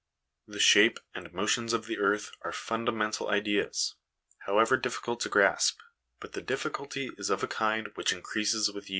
The shape and motions of the earth are funda mental ideas, 1 however difficult to grasp, but the difficulty is of a kind which increases with years.